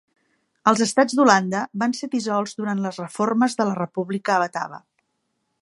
Els estats d'Holanda van ser dissolts durant les reformes de la República batava.